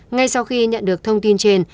ngay sau khi nhận được thông tin trên